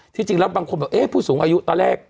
จริงแล้วบางคนบอกผู้สูงอายุตอนแรก